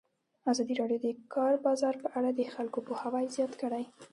ازادي راډیو د د کار بازار په اړه د خلکو پوهاوی زیات کړی.